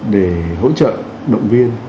để hỗ trợ động viên